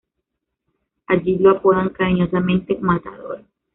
Allí lo apodan cariñosamente "Matador".